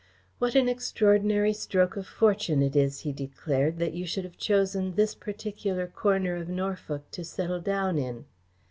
"What an extraordinary stroke of fortune it is," he declared, "that you should have chosen this particular corner of Norfolk to settle down in."